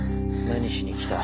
何しに来た？